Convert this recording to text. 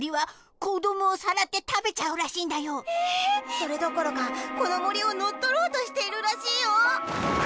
それどころかこのもりをのっとろうとしているらしいよ。